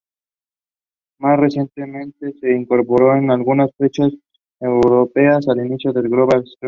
Más recientemente, se incorporó en algunas fechas europeas al inicio del Global Spirit Tour.